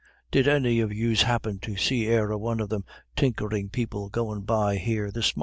Did any of yous happen to see e'er a one of them tinkerin' people goin' by here this mornin'?"